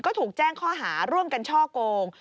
ก็ถูกแจ้งข้อหาร่วมกันช่อโกง